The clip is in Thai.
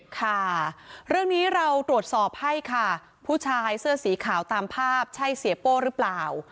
ค่ะเรื่องนี้เราตรวจสอบให้ค่ะผู้ชายเสื้อสีขาวตามภาพใช่เสียโป้หรือเปล่า